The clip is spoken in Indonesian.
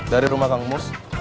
dari rumah kang mus